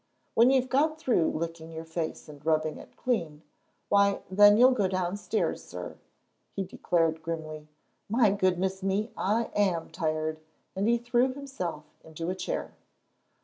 "When you've got through licking your face and rubbing it clean, why then you'll go downstairs, sir," he declared grimly. "My goodness me, I am tired," and he threw himself into a chair.